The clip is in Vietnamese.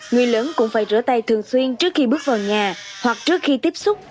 người lớn cũng phải rửa tay thường xuyên trước khi bước vào nhà hoặc trước khi tiếp xúc